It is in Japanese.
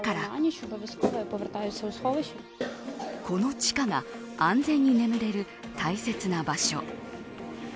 この地下が安全に眠れる大切な場所。